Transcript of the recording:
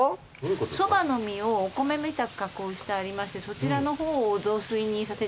そばの実をお米みたく加工してありましてそちらの方を雑炊にさせてもらっています。